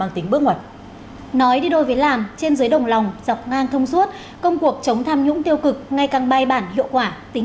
tổng kết một mươi năm công tác phòng chống tham nhũng tiêu cực giai đoạn hai nghìn một mươi hai hai nghìn hai mươi hai